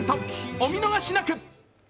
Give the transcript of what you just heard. お見逃しなく！